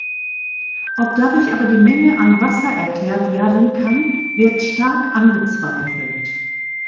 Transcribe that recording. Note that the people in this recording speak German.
Ob dadurch aber die Menge an Wasser erklärt werden kann, wird stark angezweifelt.